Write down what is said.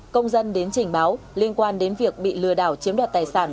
công dân đến trình báo liên quan đến việc bị lừa đảo chiếm đoạt tài sản